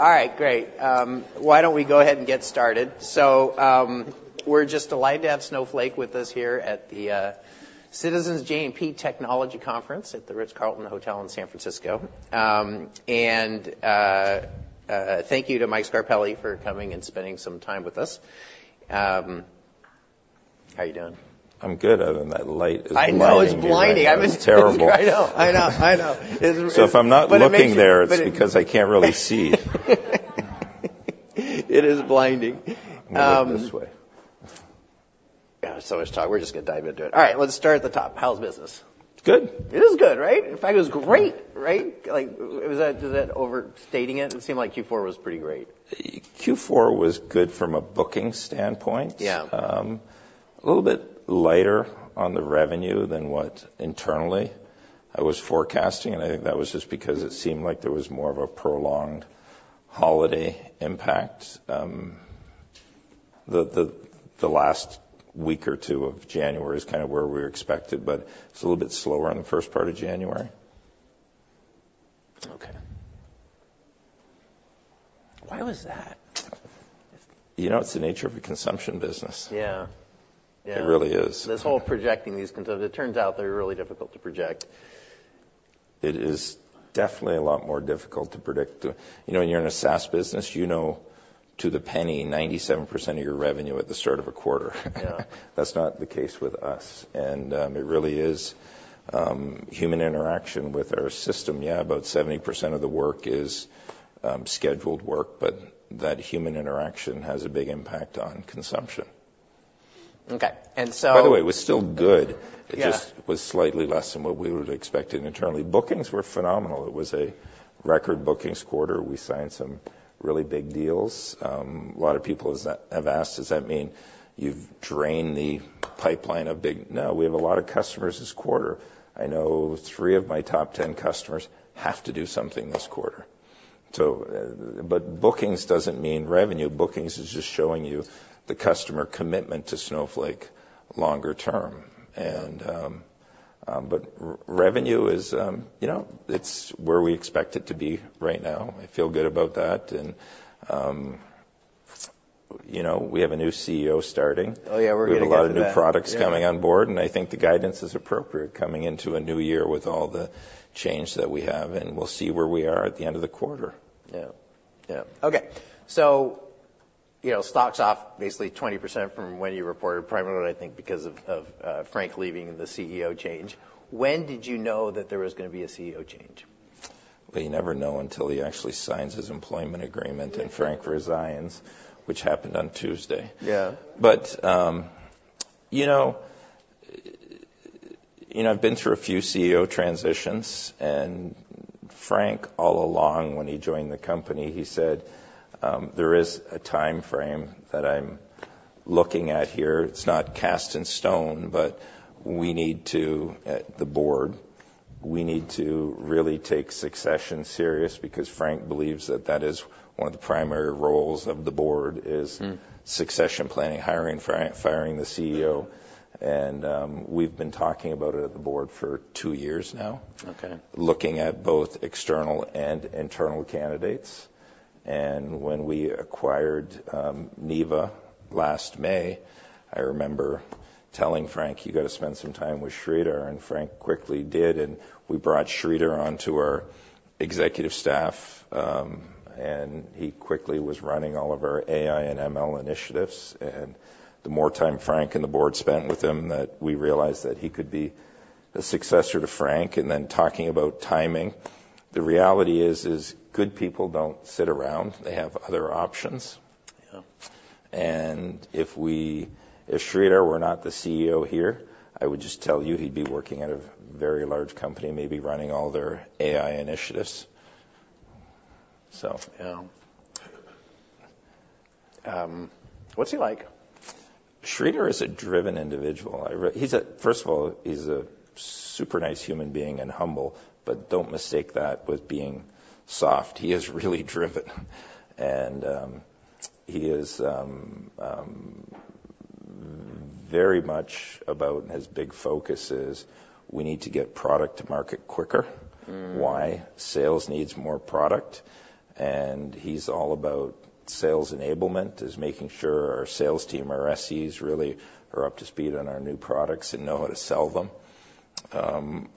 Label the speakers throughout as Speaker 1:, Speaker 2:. Speaker 1: All right, great. Why don't we go ahead and get started? So we're just delighted to have Snowflake with us here at the Citizens JMP Technology Conference at the Ritz-Carlton Hotel in San Francisco. Thank you to Mike Scarpelli for coming and spending some time with us. How are you doing?
Speaker 2: I'm good, other than that light is blinding.
Speaker 1: I know it's blinding. I was.
Speaker 2: Terrible.
Speaker 1: I know. I know. I know. It's really.
Speaker 2: If I'm not looking there, it's because I can't really see.
Speaker 1: It is blinding.
Speaker 2: Maybe this way.
Speaker 1: Yeah, so much talk. We're just going to dive into it. All right, let's start at the top. How's business?
Speaker 2: Good.
Speaker 1: It is good, right? In fact, it was great, right? Was that overstating it? It seemed like Q4 was pretty great.
Speaker 2: Q4 was good from a booking standpoint. A little bit lighter on the revenue than what internally I was forecasting. I think that was just because it seemed like there was more of a prolonged holiday impact. The last week or two of January is kind of where we were expected, but it's a little bit slower in the first part of January.
Speaker 1: OK. Why was that?
Speaker 2: You know it's the nature of a consumption business.
Speaker 1: Yeah.
Speaker 2: It really is.
Speaker 1: This whole projecting these consumptions, it turns out they're really difficult to project.
Speaker 2: It is definitely a lot more difficult to predict. You know when you're in a SaaS business, you know to the penny 97% of your revenue at the start of a quarter. That's not the case with us. It really is human interaction with our system. Yeah, about 70% of the work is scheduled work, but that human interaction has a big impact on consumption.
Speaker 1: Ok. And so.
Speaker 2: By the way, it was still good. It just was slightly less than what we would have expected internally. Bookings were phenomenal. It was a record bookings quarter. We signed some really big deals. A lot of people have asked, does that mean you've drained the pipeline of big? No, we have a lot of customers this quarter. I know three of my top 10 customers have to do something this quarter. But bookings doesn't mean revenue. Bookings is just showing you the customer commitment to Snowflake longer term. But revenue is where we expect it to be right now. I feel good about that. And we have a new CEO starting.
Speaker 1: Oh, yeah. We're getting a lot of new products.
Speaker 2: We have a lot of new products coming on board. I think the guidance is appropriate coming into a new year with all the change that we have. We'll see where we are at the end of the quarter.
Speaker 1: Yeah. Yeah. Ok. So stocks off basically 20% from when you reported, primarily I think because of Frank leaving and the CEO change. When did you know that there was going to be a CEO change?
Speaker 2: Well, you never know until he actually signs his employment agreement and Frank resigns, which happened on Tuesday. But you know I've been through a few CEO transitions. And Frank, all along when he joined the company, he said there is a time frame that I'm looking at here. It's not cast in stone, but we need to at the board, we need to really take succession serious because Frank believes that that is one of the primary roles of the board, is succession planning, hiring, firing the CEO. And we've been talking about it at the board for two years now, looking at both external and internal candidates. And when we acquired Neeva last May, I remember telling Frank, you've got to spend some time with Sridhar. And Frank quickly did. And we brought Sridhar onto our executive staff. He quickly was running all of our AI and ML initiatives. The more time Frank and the board spent with him, that we realized that he could be a successor to Frank. Then talking about timing, the reality is good people don't sit around. They have other options. If Sridhar were not the CEO here, I would just tell you he'd be working at a very large company, maybe running all their AI initiatives.
Speaker 1: Yeah. What's he like?
Speaker 2: Sridhar is a driven individual. First of all, he's a super nice human being and humble. But don't mistake that with being soft. He is really driven. And he is very much about his big focus is we need to get product to market quicker. Why? Sales needs more product. And he's all about sales enablement, is making sure our sales team, our SEs, really are up to speed on our new products and know how to sell them.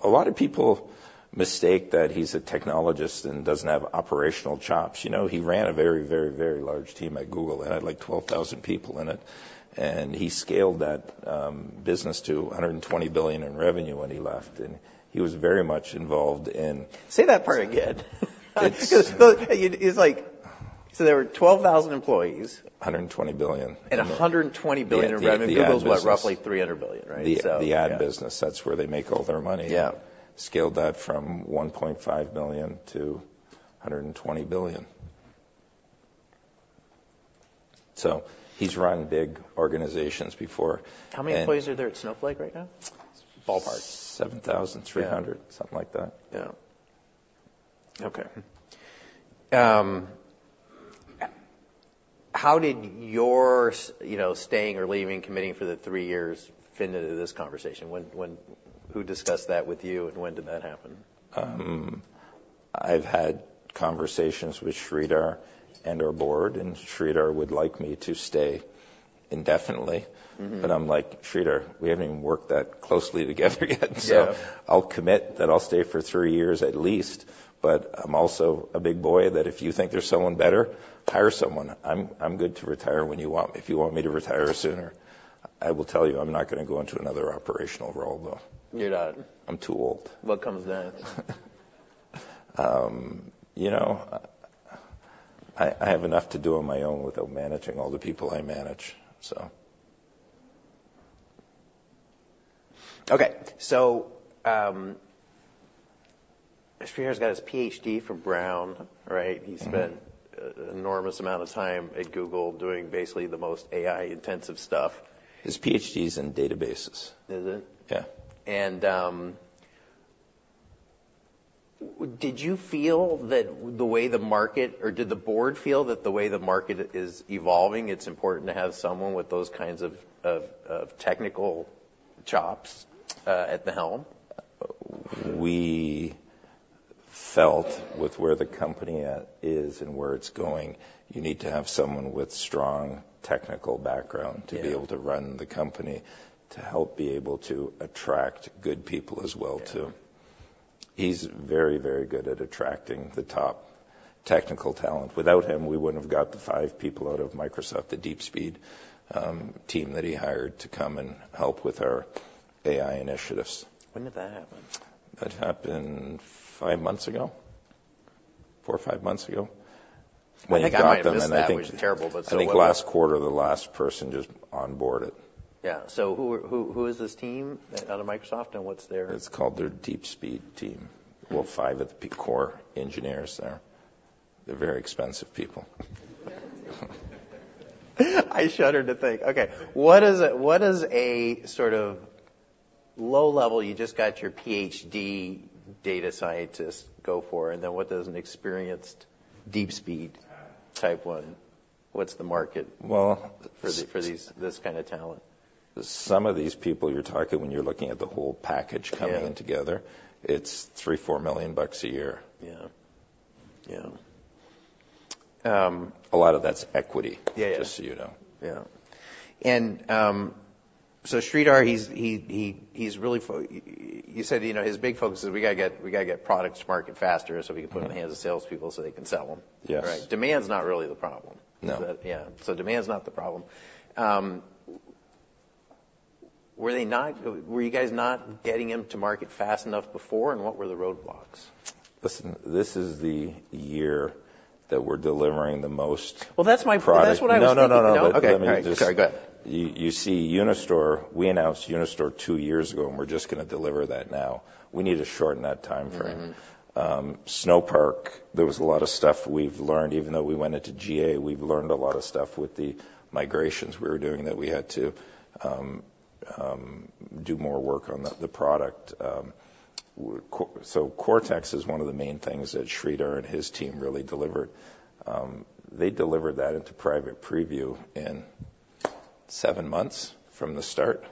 Speaker 2: A lot of people mistake that he's a technologist and doesn't have operational chops. You know he ran a very, very, very large team at Google. They had like 12,000 people in it. And he scaled that business to $120 billion in revenue when he left. And he was very much involved in.
Speaker 1: Say that part again. There were 12,000 employees.
Speaker 2: $120 billion.
Speaker 1: $120 billion in revenue. Google's what, roughly $300 billion, right?
Speaker 2: The ad business. That's where they make all their money. Scaled that from $1.5 billion to $120 billion. So he's run big organizations before.
Speaker 1: How many employees are there at Snowflake right now? Ballpark.
Speaker 2: 7,300, something like that.
Speaker 1: Yeah. OK. How did your staying or leaving, committing for the three years fit into this conversation? Who discussed that with you? When did that happen?
Speaker 2: I've had conversations with Sridhar and our board. Sridhar would like me to stay indefinitely. I'm like, Sridhar, we haven't even worked that closely together yet. I'll commit that I'll stay for three years at least. I'm also a big boy that if you think there's someone better, hire someone. I'm good to retire when you want, if you want me to retire sooner. I will tell you, I'm not going to go into another operational role, though.
Speaker 1: You're not.
Speaker 2: I'm too old.
Speaker 1: What comes next?
Speaker 2: You know I have enough to do on my own without managing all the people I manage.
Speaker 1: Ok. So Sridhar's got his PhD from Brown, right? He spent an enormous amount of time at Google doing basically the most AI-intensive stuff.
Speaker 2: His PhD is in databases.
Speaker 1: Is it?
Speaker 2: Yeah.
Speaker 1: Did the board feel that the way the market is evolving, it's important to have someone with those kinds of technical chops at the helm?
Speaker 2: We felt, with where the company at is and where it's going, you need to have someone with strong technical background to be able to run the company, to help be able to attract good people as well, too. He's very, very good at attracting the top technical talent. Without him, we wouldn't have got the five people out of Microsoft, the DeepSpeed team that he hired, to come and help with our AI initiatives.
Speaker 1: When did that happen?
Speaker 2: That happened five months ago, four or five months ago.
Speaker 1: When he got them, and I think.
Speaker 2: I think that was terrible. But I think last quarter, the last person just onboarded it.
Speaker 1: Yeah. Who is this team out of Microsoft? What's their?
Speaker 2: It's called their DeepSpeed team. Well, five of the core engineers there. They're very expensive people.
Speaker 1: I shuddered to think. Ok. What does a sort of low-level, you just got your Ph.D. data scientist go for? And then what does an experienced DeepSpeed type one? What's the market for this kind of talent?
Speaker 2: Some of these people you're talking when you're looking at the whole package coming together, it's $3 million, $4 million a year.
Speaker 1: Yeah. Yeah.
Speaker 2: A lot of that's equity, just so you know.
Speaker 1: Yeah. And so Sridhar, he's really you said his big focus is we've got to get products to market faster so we can put them in the hands of salespeople so they can sell them. Demand's not really the problem. Yeah. So demand's not the problem. Were you guys not getting them to market fast enough before? And what were the roadblocks?
Speaker 2: Listen, this is the year that we're delivering the most product.
Speaker 1: Well, that's what I was thinking.
Speaker 2: No, no, no.
Speaker 1: OK.
Speaker 2: You see, Unistore, we announced Unistore two years ago. We're just going to deliver that now. We need to shorten that time frame. Snowpark, there was a lot of stuff we've learned. Even though we went into GA, we've learned a lot of stuff with the migrations we were doing that we had to do more work on the product. So Cortex is one of the main things that Sridhar and his team really delivered. They delivered that into Private Preview in seven months from the start.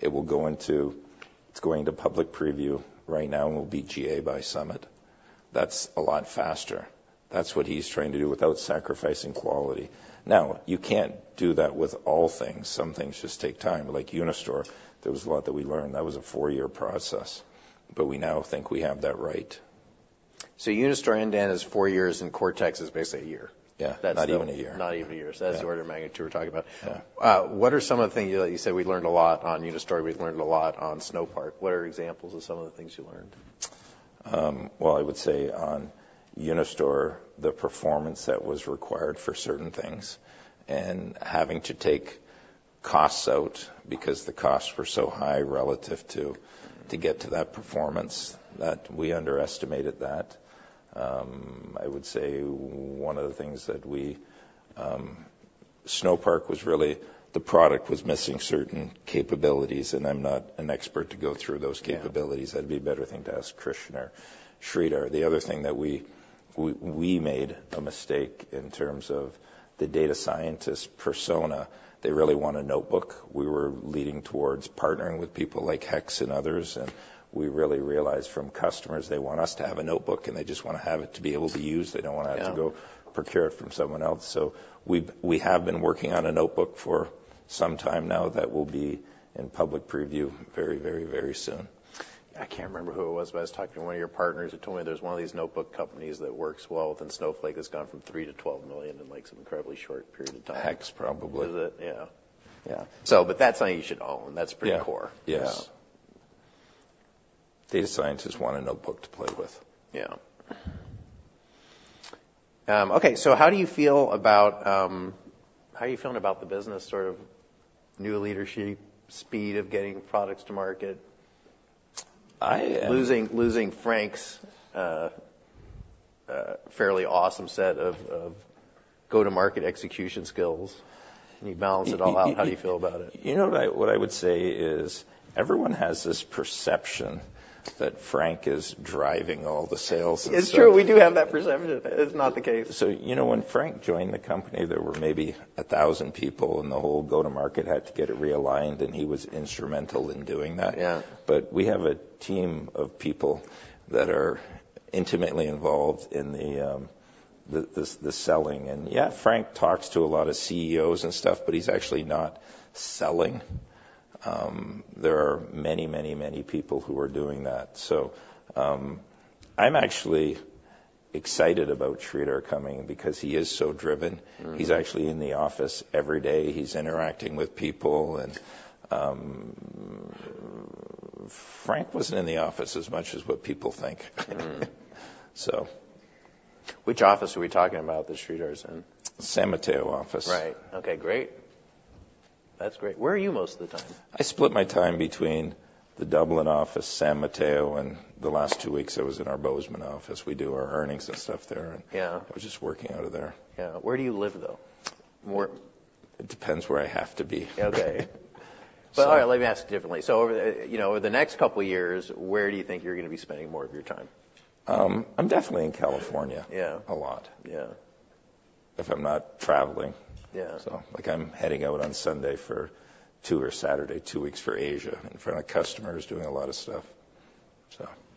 Speaker 2: It's going into Public Preview right now. And we'll be GA by Summit. That's a lot faster. That's what he's trying to do without sacrificing quality. Now, you can't do that with all things. Some things just take time. Like Unistore, there was a lot that we learned. That was a four-year process. But we now think we have that right.
Speaker 1: Unistore in 2021 is four years. Cortex is basically 1 year.
Speaker 2: Yeah. Not even a year.
Speaker 1: Not even a year. So that's the order of magnitude we're talking about. What are some of the things you said we learned a lot on Unistore? We learned a lot on Snowpark. What are examples of some of the things you learned?
Speaker 2: Well, I would say on Unistore, the performance that was required for certain things and having to take costs out because the costs were so high relative to to get to that performance, that we underestimated that. I would say one of the things that we Snowpark was really the product was missing certain capabilities. And I'm not an expert to go through those capabilities. That'd be a better thing to ask Christian or Sridhar. The other thing that we made a mistake in terms of the data scientist persona, they really want a notebook. We were leading towards partnering with people like Hex and others. And we really realized from customers, they want us to have a notebook. And they just want to have it to be able to use. They don't want to have to go procure it from someone else. We have been working on a notebook for some time now that will be in Public preview very, very, very soon.
Speaker 1: I can't remember who it was, but I was talking to one of your partners. He told me there's one of these notebook companies that works well within Snowflake that's gone from $3,000,000-$12,000,000 in like some incredibly short period of time.
Speaker 2: Hex, probably.
Speaker 1: Yeah. Yeah. But that's something you should own. That's pretty core.
Speaker 2: Yeah. Yes. Data scientists want a notebook to play with.
Speaker 1: Yeah. Ok. So how are you feeling about the business sort of new leadership, speed of getting products to market, losing Frank's fairly awesome set of go-to-market execution skills? And you balance it all out. How do you feel about it?
Speaker 2: You know what I would say is everyone has this perception that Frank is driving all the sales and stuff.
Speaker 1: It's true. We do have that perception. It's not the case.
Speaker 2: So you know when Frank joined the company, there were maybe 1,000 people. And the whole go-to-market had to get it realigned. And he was instrumental in doing that. But we have a team of people that are intimately involved in the selling. And yeah, Frank talks to a lot of CEOs and stuff. But he's actually not selling. There are many, many, many people who are doing that. So I'm actually excited about Sridhar coming because he is so driven. He's actually in the office every day. He's interacting with people. And Frank wasn't in the office as much as what people think.
Speaker 1: Which office are we talking about that Sridhar's in?
Speaker 2: San Mateo office.
Speaker 1: Right. Ok. Great. That's great. Where are you most of the time?
Speaker 2: I split my time between the Dublin office, San Mateo. And the last two weeks, I was in our Bozeman office. We do our earnings and stuff there. And I was just working out of there.
Speaker 1: Yeah. Where do you live, though?
Speaker 2: It depends where I have to be.
Speaker 1: OK. Well, all right. Let me ask differently. So over the next couple of years, where do you think you're going to be spending more of your time?
Speaker 2: I'm definitely in California a lot if I'm not traveling. I'm heading out on Sunday for two or Saturday, two weeks for Asia in front of customers, doing a lot of stuff.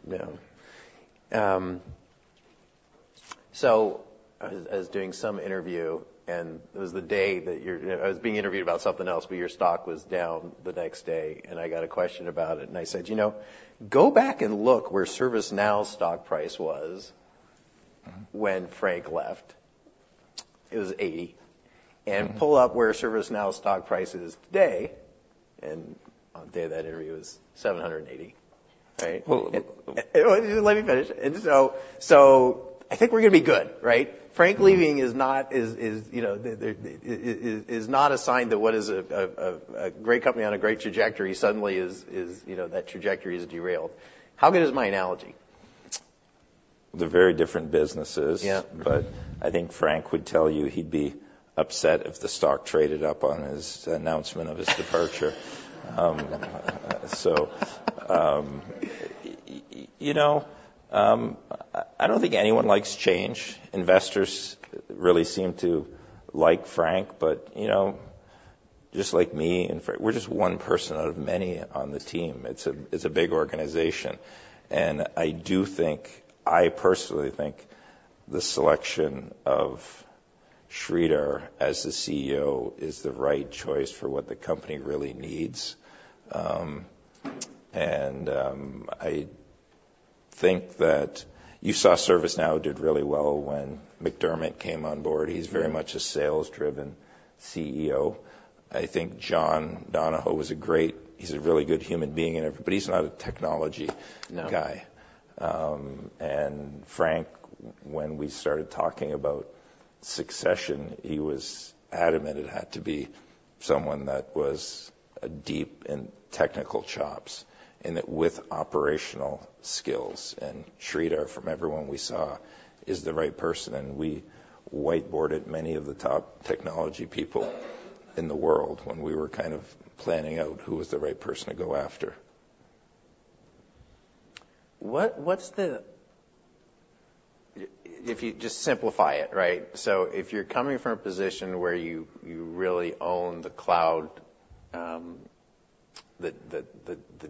Speaker 1: Yeah. So I was doing some interview. And it was the day that I was being interviewed about something else. But your stock was down the next day. And I got a question about it. And I said, you know, go back and look where ServiceNow's stock price was when Frank left. It was $80. And pull up where ServiceNow's stock price is today. And on the day of that interview, it was $780. Let me finish. So I think we're going to be good, right? Frank leaving is not a sign that what is a great company on a great trajectory suddenly is that trajectory is derailed. How good is my analogy?
Speaker 2: They're very different businesses. But I think Frank would tell you he'd be upset if the stock traded up on his announcement of his departure. So you know I don't think anyone likes change. Investors really seem to like Frank. But just like me, we're just one person out of many on the team. It's a big organization. And I do think I personally think the selection of Sridhar as the CEO is the right choice for what the company really needs. And I think that you saw ServiceNow did really well when McDermott came on board. He's very much a sales-driven CEO. I think John Donahoe was a great. He's a really good human being. But he's not a technology guy. And Frank, when we started talking about succession, he was adamant it had to be someone that was deep in technical chops and with operational skills. Sridhar, from everyone we saw, is the right person. We whiteboarded many of the top technology people in the world when we were kind of planning out who was the right person to go after.
Speaker 1: If you just simplify it, right? So if you're coming from a position where you really own the cloud, the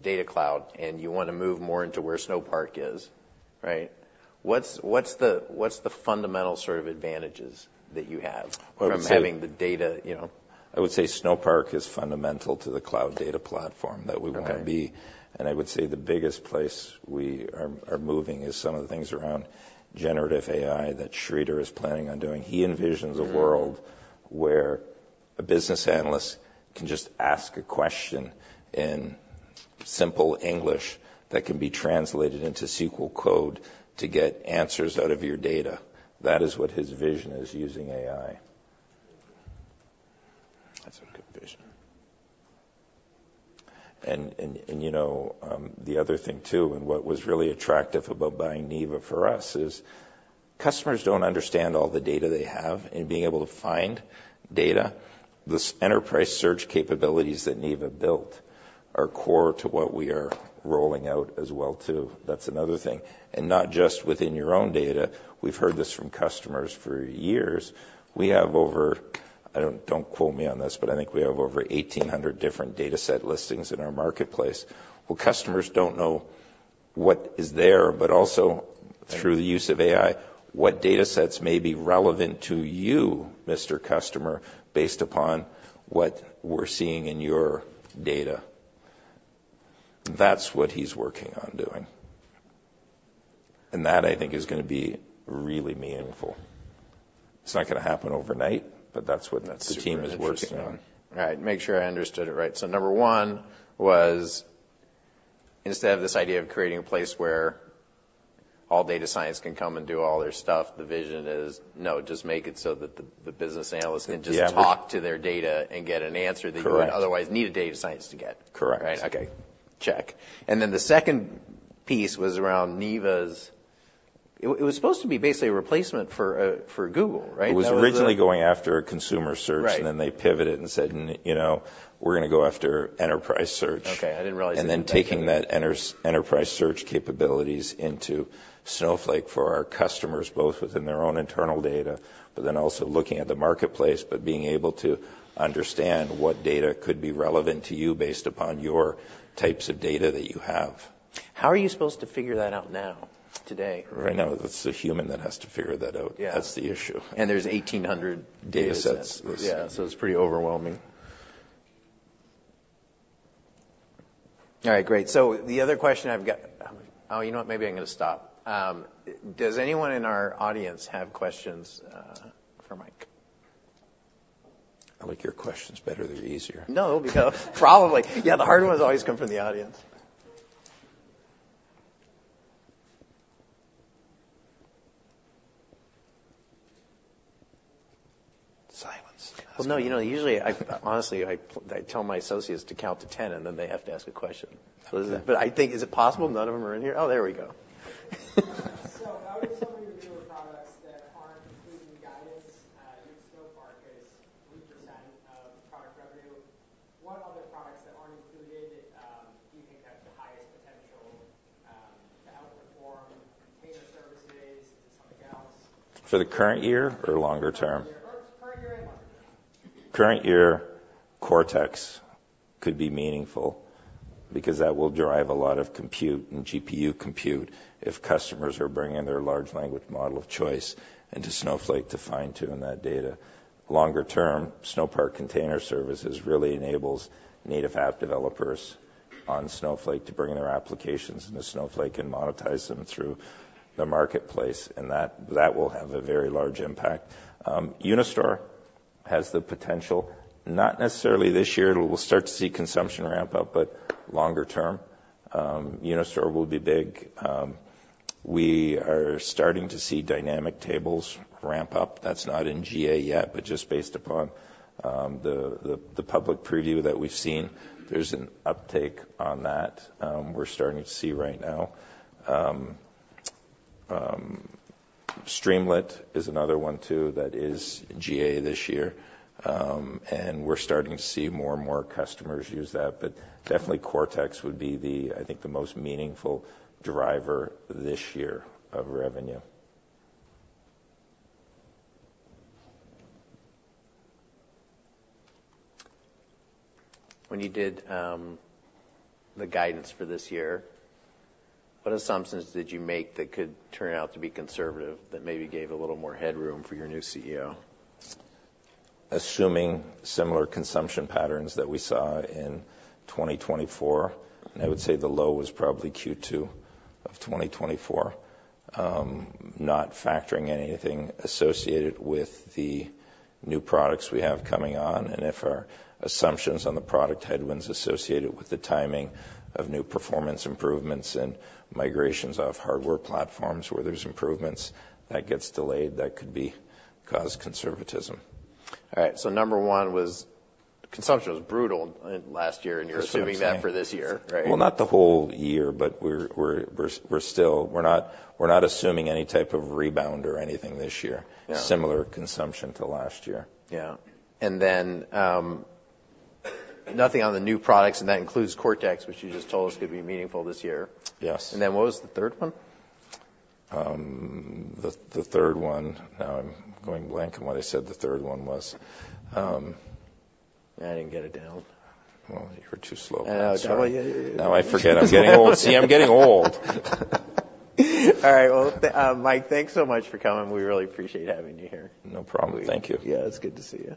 Speaker 1: data cloud, and you want to move more into where Snowpark is, right? What's the fundamental sort of advantages that you have from having the data?
Speaker 2: I would say Snowpark is fundamental to the cloud data platform that we want to be. I would say the biggest place we are moving is some of the things around generative AI that Sridhar is planning on doing. He envisions a world where a business analyst can just ask a question in simple English that can be translated into SQL code to get answers out of your data. That is what his vision is, using AI.
Speaker 1: That's a good vision.
Speaker 2: You know the other thing, too, what was really attractive about buying Neeva for us is customers don't understand all the data they have. Being able to find data, the enterprise search capabilities that Neeva built are core to what we are rolling out as well, too. That's another thing. Not just within your own data. We've heard this from customers for years. We have over, don't quote me on this, but I think we have over 1,800 different data set listings in our Marketplace. Well, customers don't know what is there. But also, through the use of AI, what data sets may be relevant to you, Mr. Customer, based upon what we're seeing in your data. That's what he's working on doing. That, I think, is going to be really meaningful. It's not going to happen overnight. But that's what the team is working on.
Speaker 1: Right. Make sure I understood it right. So number one was, instead of this idea of creating a place where all data science can come and do all their stuff, the vision is, no, just make it so that the business analyst can just talk to their data and get an answer that you would otherwise need a data scientist to get.
Speaker 2: Correct.
Speaker 1: Right. OK. Check. And then the second piece was around Neeva's, it was supposed to be basically a replacement for Google, right?
Speaker 2: It was originally going after consumer search. Then they pivoted and said, you know, we're going to go after enterprise search.
Speaker 1: OK. I didn't realize you were saying that.
Speaker 2: And then taking that enterprise search capabilities into Snowflake for our customers, both within their own internal data but then also looking at the marketplace but being able to understand what data could be relevant to you based upon your types of data that you have.
Speaker 1: How are you supposed to figure that out now, today?
Speaker 2: Right now, it's the human that has to figure that out. That's the issue.
Speaker 1: There's 1,800 data sets.
Speaker 2: Yeah. So it's pretty overwhelming.
Speaker 1: All right. Great. So the other question I've got—oh, you know what? Maybe I'm going to stop. Does anyone in our audience have questions for Mike?
Speaker 2: I like your questions better. They're easier.
Speaker 1: No. Probably. Yeah. The hard ones always come from the audience.
Speaker 2: Silence.
Speaker 1: Well, no. You know, usually, honestly, I tell my associates to count to 10. Then they have to ask a question. But I think, is it possible none of them are in here? Oh, there we go.
Speaker 3: Out of some of your newer products that aren't including guidance, your Snowpark is 3% of product revenue. What other products that aren't included do you think have the highest potential to outperform Container Services? Is it something else?
Speaker 2: For the current year or longer term?
Speaker 3: Current year and longer term.
Speaker 2: Current year, Cortex could be meaningful because that will drive a lot of compute and GPU compute if customers are bringing their large language model of choice into Snowflake to fine-tune that data. Longer term, Snowpark Container Services really enables native app developers on Snowflake to bring in their applications into Snowflake and monetize them through the marketplace. And that will have a very large impact. Unistore has the potential, not necessarily this year. We'll start to see consumption ramp up. But longer term, Unistore will be big. We are starting to see Dynamic Tables ramp up. That's not in GA yet. But just based upon the Public preview that we've seen, there's an uptake on that we're starting to see right now. Streamlit is another one, too, that is in GA this year. And we're starting to see more and more customers use that. But definitely, Cortex would be, I think, the most meaningful driver this year of revenue.
Speaker 1: When you did the guidance for this year, what assumptions did you make that could turn out to be conservative that maybe gave a little more headroom for your new CEO?
Speaker 2: Assuming similar consumption patterns that we saw in 2024. I would say the low was probably Q2 of 2024, not factoring anything associated with the new products we have coming on. If our assumptions on the product headwinds associated with the timing of new performance improvements and migrations of hardware platforms where there's improvements, that gets delayed, that could cause conservatism.
Speaker 1: All right. Number one was consumption was brutal last year. You're assuming that for this year, right?
Speaker 2: Well, not the whole year. But we're still not assuming any type of rebound or anything this year, similar consumption to last year.
Speaker 1: Yeah. And then nothing on the new products. And that includes Cortex, which you just told us could be meaningful this year.
Speaker 2: Yes.
Speaker 1: And then what was the third one?
Speaker 2: The third one. Now I'm going blank on what I said the third one was.
Speaker 1: I didn't get it down.
Speaker 2: Well, you were too slow.
Speaker 1: Oh, no.
Speaker 2: Now I forget. I'm getting old. See, I'm getting old.
Speaker 1: All right. Well, Mike, thanks so much for coming. We really appreciate having you here.
Speaker 2: No problem. Thank you.
Speaker 1: Yeah. It's good to see you.